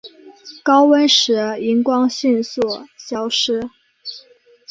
高温时荧光迅速消失。